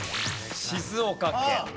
静岡県。